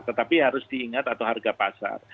tetapi harus diingat atau harga pasar